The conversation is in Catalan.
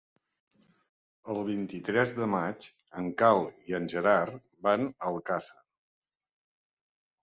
El vint-i-tres de maig en Cai i en Gerard van a Alcàsser.